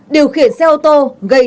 điều khiển xe ô tô gây